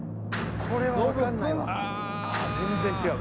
全然違う。